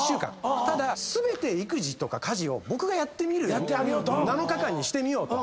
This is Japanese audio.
ただ全て育児とか家事を僕がやってみる７日間にしてみようと。